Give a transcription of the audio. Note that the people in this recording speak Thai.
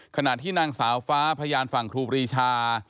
ขณะที่นางสาวฟ้าพยานฝั่งครูปรีชา